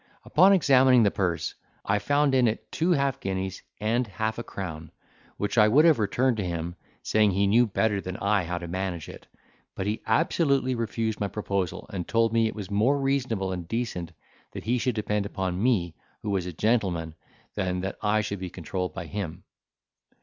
Upon examining the purse, I found in it two half guineas and half a crown, which I would have returned to him, saying, he knew better than I how to manage it, but he, absolutely refused my proposal and told me it was more reasonable and decent that he should depend upon me, who was a gentleman, than that I should be controlled by him.